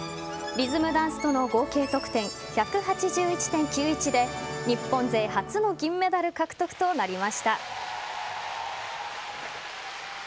リズムダンスとの合計得点１８１．９１で日本勢初の銀メダル獲得となりました。